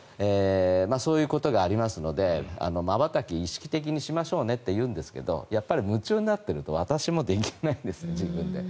そういうことがありますのでまばたきを意識的にしましょうねと言うんですけどやっぱり夢中になっていると私もできないです、自分で。